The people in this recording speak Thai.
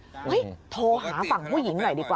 เฮ้ยโทรหาฝั่งผู้หญิงหน่อยดีกว่า